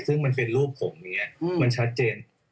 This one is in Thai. ซึ่งมันเป็นรูปผมเนี่ยมันชัดเจน